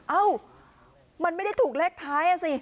เอ้ามันไม่ได้ถูกเลขท้ายอ่ะสิ